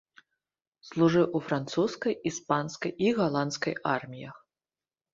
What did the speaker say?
Служыў у французскай, іспанскай і галандскай арміях.